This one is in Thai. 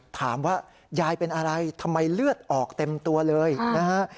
ถามว่ายายเป็นอะไรทำไมเลือดออกเต็มตัวเลยนะฮะ